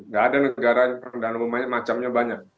nggak ada negara kendaraan umum macamnya banyak